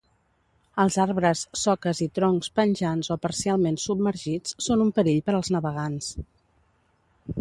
Els arbres, soques i troncs penjants o parcialment submergits són un perill per als navegants.